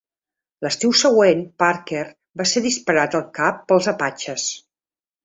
L'estiu següent, Parker va ser disparat al cap pels Apatxes.